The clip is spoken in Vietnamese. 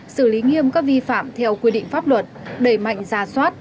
xử lý nghiêm các vi phạm theo quy định pháp luật đẩy mạnh ra soát